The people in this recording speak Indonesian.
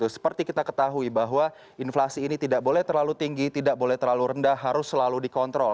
seperti kita ketahui bahwa inflasi ini tidak boleh terlalu tinggi tidak boleh terlalu rendah harus selalu dikontrol